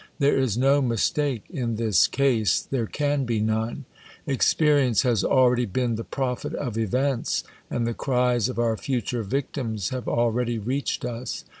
There is no mistake in this case ; there can be none. Experience has already been the prophet of events, and the cries of our future victims have already reached us.